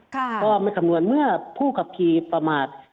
ก็ไม่คำนวณเมื่อผู้ขับขี่ประมาท